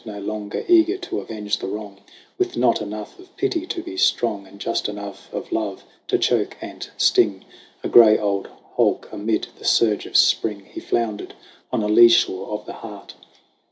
No longer eager to avenge the wrong, With not enough of pity to be strong And just enough of love to choke and sting, A gray old hulk amid the surge of Spring He floundered on a lee shore of the heart.